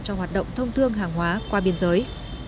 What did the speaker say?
trong hoạt động thông thương hàng hóa qua biên giới